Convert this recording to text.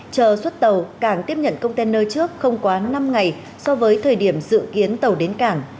chờ xuất tàu cảng tiếp nhận container trước không quá năm ngày so với thời điểm dự kiến tàu đến cảng